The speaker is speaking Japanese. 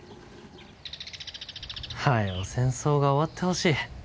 早う戦争が終わってほしい。